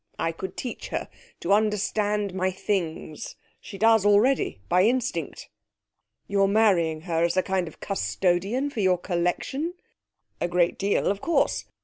I could teach her to understand my Things. She does already by instinct.' 'You're marrying her as a kind of custodian for your collection?' 'A great deal, of course.